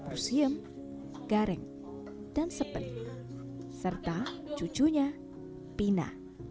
rusiem garing dan sepen serta cucunya pina